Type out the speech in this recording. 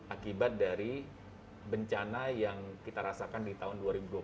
akibat dari bencana yang kita rasakan di tahun dua ribu dua puluh